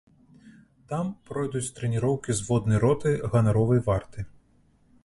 Там пройдуць трэніроўкі зводнай роты ганаровай варты.